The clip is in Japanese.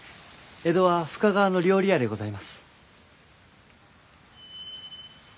江戸は深川の料理屋でございます。